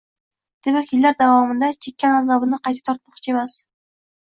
Demak, yillar davomida chekkan azobini qayta tortmoqchi emas...